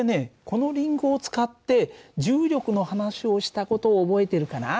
このりんごを使って重力の話をした事を覚えてるかな？